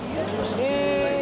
へえ。